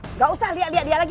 nggak usah lihat lihat dia lagi